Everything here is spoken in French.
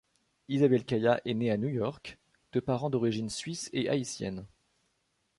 Isabelle Caillat est née à New York, de parents d'origine suisses et haïtiennes.